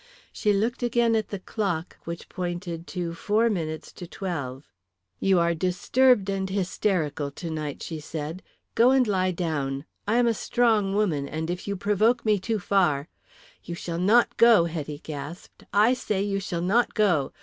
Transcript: She looked again at the clock, which pointed to four minutes to twelve. "You are disturbed and hysterical tonight," she said. "Go and lie down. I am a strong woman and if you provoke me too far " "You shall not go," Hetty gasped. "I say you shall not go.